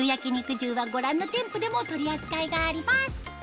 重はご覧の店舗でも取り扱いがあります